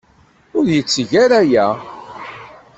Ur yetteg ara aya.